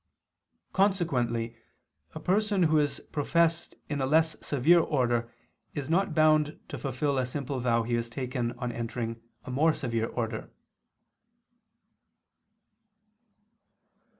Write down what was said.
Consequently a person who is professed in a less severe order is not bound to fulfil a simple vow he has taken on entering a more severe order.